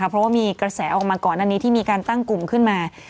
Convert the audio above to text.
เพราะว่ามีกระแสออกมาก่อนอันนี้ที่มีการตั้งกลุ่มขึ้นมา